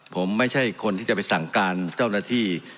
ผมไม่ใช่คนที่จะไปสั่งการเจ้าหน้าที่